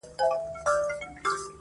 او پر ښکلې نوراني ږیره به توی کړي-